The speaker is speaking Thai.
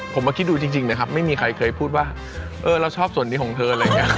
ผมมาคิดดูจริงนะครับไม่มีใครเคยพูดว่าเออเราชอบส่วนนี้ของเธออะไรอย่างนี้